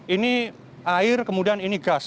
ini air kemudian ini gas